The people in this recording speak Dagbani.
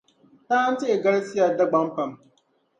Taan' tihi galisiya Dagbaŋ pam.